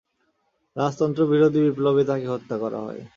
রাজতন্ত্রবিরোধী বিপ্লবে তাকে হত্যা করা হয়।